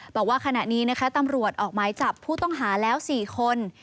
บอกว่าขณะนี้นะคะตำรวจออกหมายจับผู้ต้องหาแล้ว๔คน